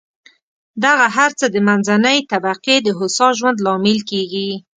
دغه هر څه د منځنۍ طبقې د هوسا ژوند لامل کېږي.